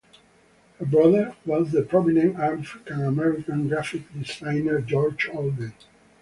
Her brother was the prominent African-American graphic designer Georg Olden.